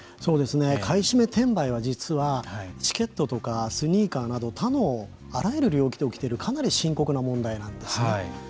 買い占め転売は実は、チケットとかスニーカーなど他のあらゆる領域で起きているかなり深刻な問題なんですね。